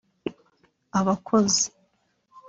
abakozi